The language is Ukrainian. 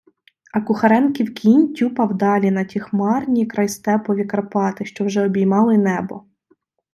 А Кухаренків кінь тюпав далі на ті хмарні крайстепові Карпати, що вже обіймали небо.